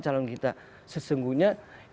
calon kita sesungguhnya